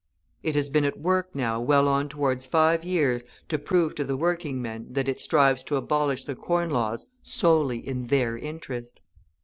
It has been at work now well on towards five years to prove to the working men that it strives to abolish the Corn Laws solely in their interest.